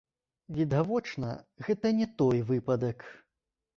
Відавочна, гэта не той выпадак.